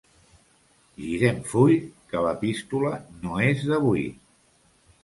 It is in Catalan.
Girem full, que l'epístola no és d'avui.